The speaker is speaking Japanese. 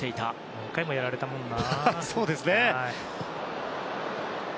何回もやられたもんな。